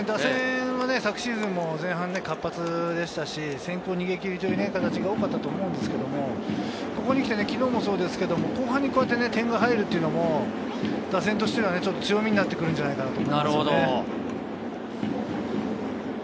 昨シーズンも前半活発でしたし、先行逃げ切りという形が多かったと思うんですけど、昨日もそうですが、後半にこうやって点が入るというのは打線としては強みになってくるんじゃないかなと。